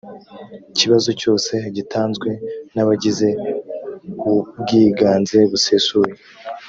kibazo cyose gitanzwe n abagize ubwiganze busesuye